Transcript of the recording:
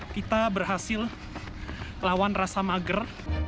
kita berhasil lawan rasa mager